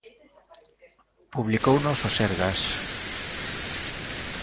Publicounos o Sergas.